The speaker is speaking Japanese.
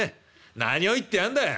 『何を言ってやんだよ。